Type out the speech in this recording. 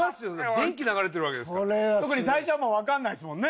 電気流れてるわけですから特に最初はもう分かんないっすもんね